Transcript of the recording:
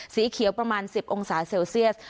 สีเขียวประมาณ๑๐องศาเซลเซียส